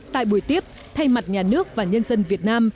tại buổi tiếp thay mặt nhà nước và nhân dân việt nam